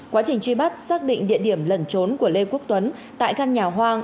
quá trình truy bắt xác định địa điểm lẩn trốn của lê quốc tuấn tại căn nhà hoang